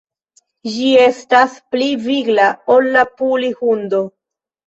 Ĝi estas pli vigla ol la puli-hundo.